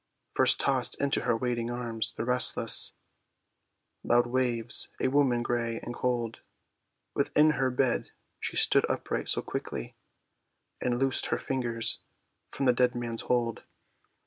First tossed into her waiting arms the restless Loud waves, a woman very grey and cold, Within her bed she stood upright so quickly, And loosed her fingers from the dead hands' hold.